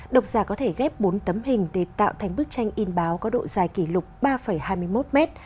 độc giả có thể ghép bốn tấm hình để tạo thành bức tranh in báo có độ dài kỷ lục ba hai mươi một mét